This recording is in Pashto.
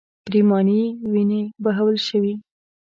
پرېمانې وینې بهول شوې.